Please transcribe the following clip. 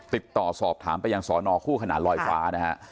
ติดต่อสอบถามไปยังสอนอคู่ขนาดเลยควา